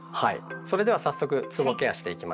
それでは早速つぼケアしていきましょう。